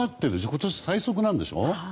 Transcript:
今年、最速なんでしょ？